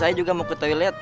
saya juga mau ke toilet